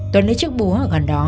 tuấn lấy chiếc búa ở gần đó